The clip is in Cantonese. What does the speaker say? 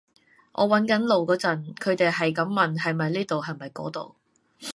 我搵緊路嗰陣，佢哋喺咁問係咪呢度係咪嗰度